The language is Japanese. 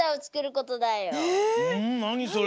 なにそれ？